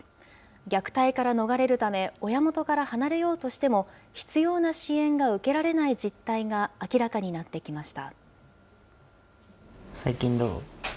虐待から逃れるため、親元から離れようとしても、必要な支援が受けられない実態が明らかになってきました。